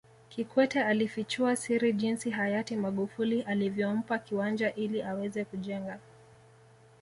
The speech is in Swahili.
Kikwete alifichua siri jinsi Hayati Magufuli alivyompa kiwanja ili aweze kujenga